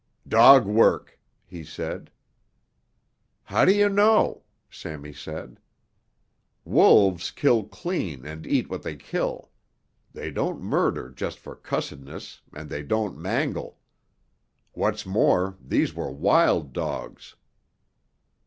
"Dog work," he said. "How do you know?" Sammy said. "Wolves kill clean and eat what they kill. They don't murder just for cussedness and they don't mangle. What's more, these were wild dogs."